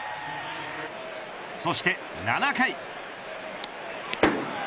そして７回。